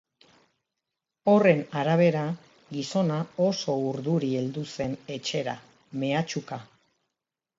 Horren arabera, gizona oso urduri heldu zen etxera, mehatxuka.